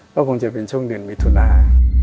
ก็คงจะเป็นช่วงเดือนมิถุนา